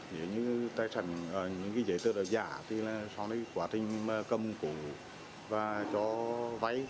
nếu như tài sản những cái giấy tờ giả thì là sau đó quá trình cầm cổ và cho vay